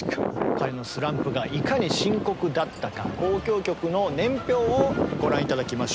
彼のスランプがいかに深刻だったか交響曲の年表をご覧頂きましょう。